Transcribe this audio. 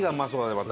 また。